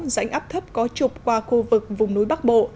rãnh áp thấp có trục qua khu vực vùng núi bắc bộ